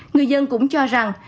người dân cũng cho rằng